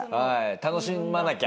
楽しまなきゃ。